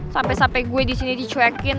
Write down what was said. sampai sampai gue disini dicuekin